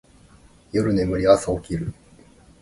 夜眠り、朝起きる